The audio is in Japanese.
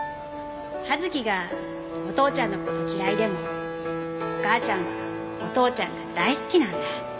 葉月がお父ちゃんの事嫌いでもお母ちゃんはお父ちゃんが大好きなんだ。